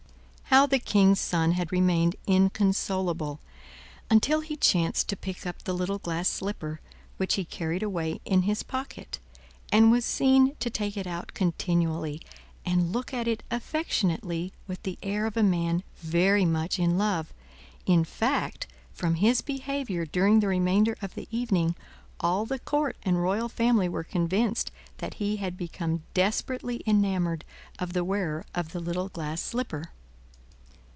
How the king's son had remained inconsolable, until he chanced to pick up the little glass slipper, which he carried away in his pocket, and was seen to take it out continually, and look at it affectionately, with the air of a man very much in love; in fact, from his behavior during the remainder of the evening, all the court and royal family were convinced that he had become desperately enamored of the wearer of the little glass slipper.